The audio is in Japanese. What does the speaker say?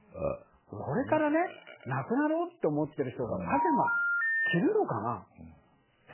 これから亡くなろうと思っている人がパジャマ、着るのかな。